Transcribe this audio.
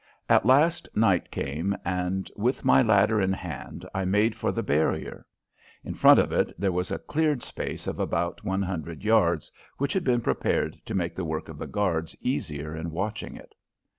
At last night came, and with my ladder in hand I made for the barrier. In front of it there was a cleared space of about one hundred yards, which had been prepared to make the work of the guards easier in watching it.